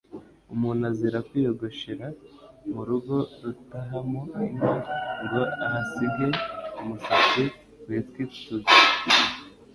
Umuntu azira kwiyogoshera mu rugo rutahamo inka ngo ahasige umusatsi, witwa itubya